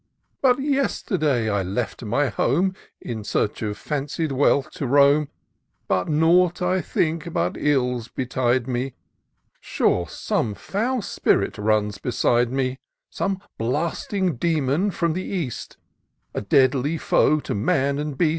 But yesterday I left my home. In search of fancied wealth to roam; And nought, I think, but ills betide me Sure, some foul spirit runs beside me ; Some blasting demon from the east, A deadly foe to man and beast.